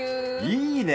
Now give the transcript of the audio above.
いいね！